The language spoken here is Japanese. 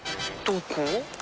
どこ？